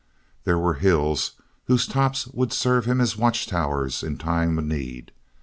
There were hills whose tops would serve him as watch towers in time of need.